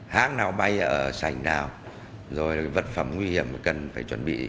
hãng nào bay ở sảnh nào vật phẩm nguy hiểm cần chuẩn bị